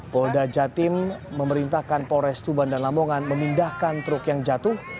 polda jatim memerintahkan polres tuban dan lamongan memindahkan truk yang jatuh